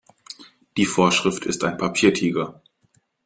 Die Vorschrift ist ein Papiertiger.